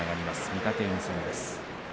御嶽海戦です。